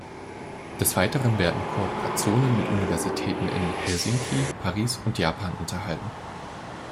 Des Weiteren werden Kooperationen mit Universitäten in Helsinki, Paris und Japan unterhalten.